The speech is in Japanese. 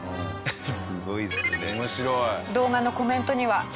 すごいですね。